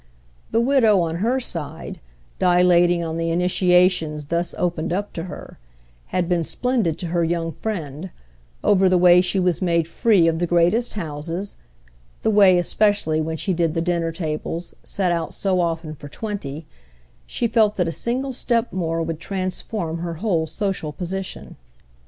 The widow, on her side, dilating on the initiations thus opened up to her, had been splendid to her young friend, over the way she was made free of the greatest houses—the way, especially when she did the dinner tables, set out so often for twenty, she felt that a single step more would transform her whole social position.